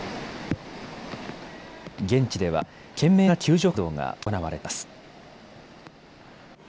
現地では懸命な救助活動が行われています。